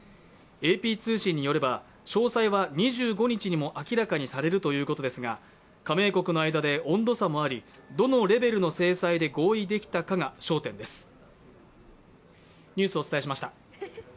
ＡＰ通信によれば詳細は２５日にも明らかにされるということですが、加盟国の間で温度差もありどのレベルの制裁で合意できたかが焦点です。